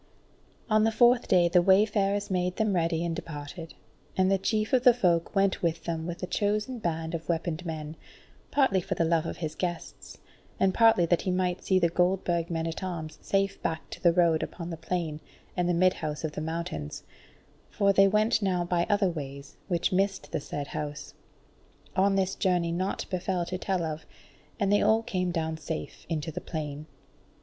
On the fourth day the wayfarers made them ready and departed; and the chief of the Folk went with them with a chosen band of weaponed men, partly for the love of his guests, and partly that he might see the Goldburg men at arms safe back to the road unto the plain and the Midhouse of the Mountains, for they went now by other ways, which missed the said House. On this journey naught befell to tell of, and they all came down safe into the plain.